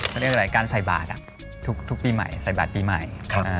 ก็เรียกอะไรการใส่บาทอ่ะทุกทุกปีใหม่ใส่บาทปีใหม่ครับอ่า